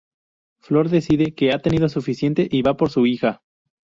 Flor decide que ha tenido suficiente y va por su hija.